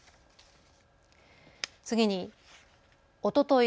次におととい